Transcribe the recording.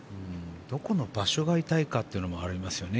どこの場所が痛いかというのもありますよね。